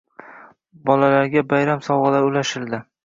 Bolalarga bayram sovg‘alari ulashildi